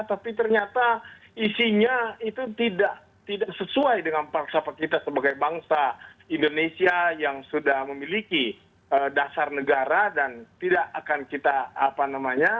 tapi ternyata isinya itu tidak sesuai dengan paksa kita sebagai bangsa indonesia yang sudah memiliki dasar negara dan tidak akan kita apa namanya